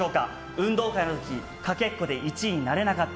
運動会の時かけっこで１位になれなかった。